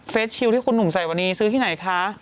ชิลที่คุณหนุ่มใส่วันนี้ซื้อที่ไหนคะ